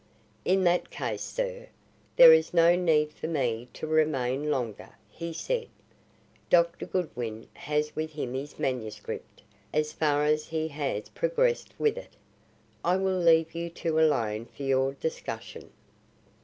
"In that case, sir, there is no need for me to remain longer," he said. "Dr. Goodwin has with him his manuscript as far as he has progressed with it. I will leave you two alone for your discussion."